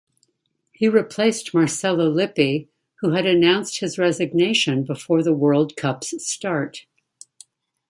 He replaced Marcello Lippi, who had announced his resignation before the World Cup's start.